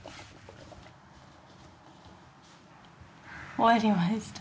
終わりました。